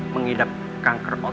mengidap kanker otak